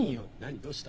どうした。